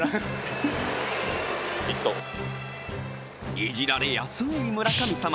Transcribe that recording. いじられやすい村神様。